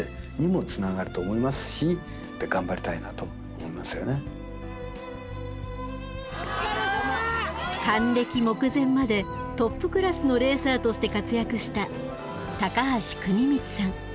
モータースポーツ還暦目前までトップクラスのレーサーとして活躍した高橋国光さん。